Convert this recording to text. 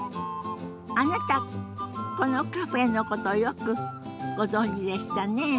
あなたこのカフェのことよくご存じでしたね。